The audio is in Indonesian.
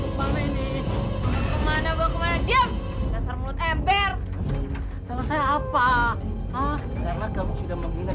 hai cepetan menyukirin kasih pak sebentar juragan saya bukan dulu kerudungnya ya maaf juragan